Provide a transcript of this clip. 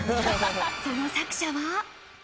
その作者は。